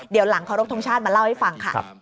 เดี๋ยวหลังเคารพทงชาติมาเล่าให้ฟังค่ะ